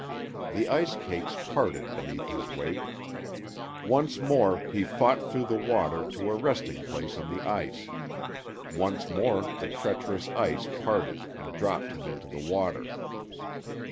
The ice cakes parted beneath his weight. Once more he fought through the water to a resting place on the ice; once more the treacherous ice parted and dropped him into the water.